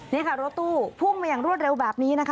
นี่ค่ะรถตู้พุ่งมาอย่างรวดเร็วแบบนี้นะคะ